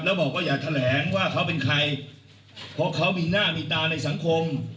แล้วบอกว่าอย่าแถลงว่าเขาเป็นใครเพราะเขามีหน้ามีตาในสังคม